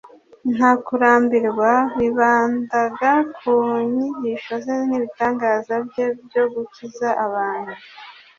Nta kurambirwa, bibandaga ku nyigisho ze n’ibitangaza bye byo gukiza abantu.